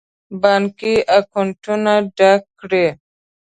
بانکي اکاونټونه ډک کړي.